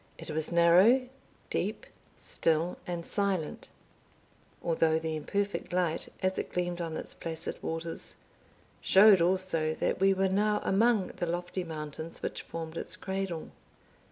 It was narrow, deep, still, and silent; although the imperfect light, as it gleamed on its placid waters, showed also that we were now among the lofty mountains which formed its cradle.